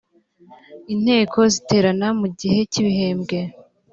inteko ziterana mu gihe cy’ibihembwe